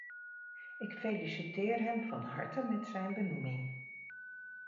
Ik feliciteer hem van harte met zijn benoeming!